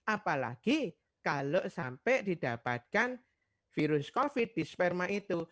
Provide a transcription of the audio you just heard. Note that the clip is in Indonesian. apalagi kalau sampai didapatkan virus covid di sperma itu